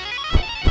ya udah bang